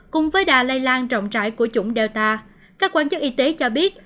cùng với đà lây lan rộng rãi của chủng delta các quan chức y tế cho biết